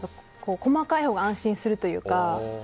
細かいほうが安心するというか。